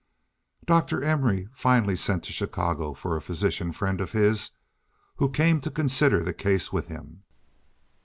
Dr. Emory finally sent to Chicago for a physician friend of his, who came to consider the case with him.